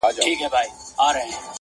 پر دوکان بېهوښه ناست لکه لرګی وو-